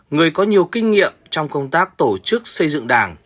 người có nhiều kinh nghiệm trong công tác tổ chức xây dựng đảng